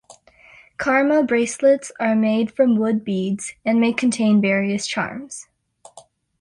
Karma bracelets are made from wood beads and may contain various charms.